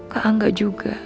kak angga juga